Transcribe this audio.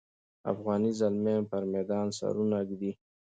افغاني زلمیان پر میدان سرونه ږدي.